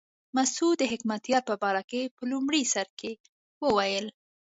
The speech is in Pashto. مسعود د حکمتیار په باره کې په لومړي سر کې وویل.